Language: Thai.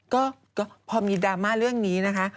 ก็พอมีดราม่าเรื่องนี้นะคะ